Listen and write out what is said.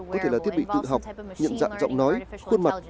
có thể là thiết bị tự học nhận dạng giọng nói khuôn mặt